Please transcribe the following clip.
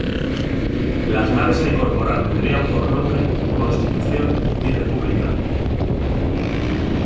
Las naves a incorporar tendrían por nombre "Constitución" y "República".